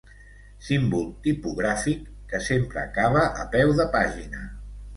Símbol tipogràfic que sempre acaba a peu de pàgina.